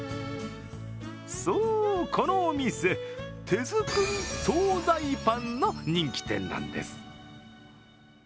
そう、このお店、手作り総菜パンの人気店なんです。